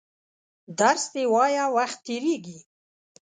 درس دي وایه وخت تېرېږي!